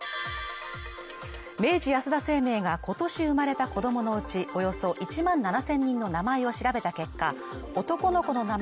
明治安田生命がことし生まれた子どものうちおよそ１万７０００人の名前を調べた結果男の子の名前